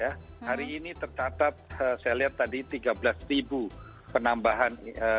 hari ini tercatat saya lihat tadi tiga belas penambahan